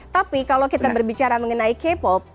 tapi kalau kita berbicara mengenai k pop